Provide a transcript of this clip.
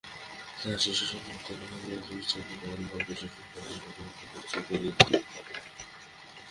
তাঁহার শিষ্য সাঙ্কেতিক-লেখনবিৎ me Goodwin মহাপুরুষের সহিত আমাদের প্রতিনিধির পরিচয় করাইয়া দিলেন।